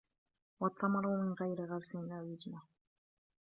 وَالثَّمَرُ مِنْ غَيْرِ غَرْسٍ لَا يُجْنَى